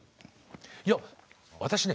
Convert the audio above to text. いや私ね